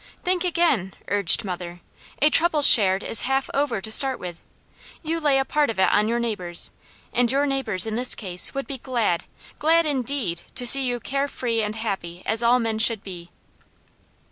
"Think again!" urged mother. "A trouble shared is half over to start with. You lay a part of it on your neighbours, and your neighbours in this case would be glad, glad indeed, to see you care free and happy as all men should be."